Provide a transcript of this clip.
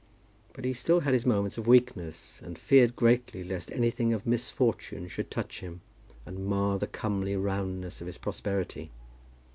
But he still had his moments of weakness, and feared greatly lest anything of misfortune should touch him, and mar the comely roundness of his prosperity.